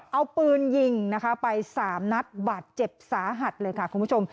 เอาปืนยิงนะคะไป๓นัดบาดเจ็บสาหัสเลยค่ะคุณผู้ชม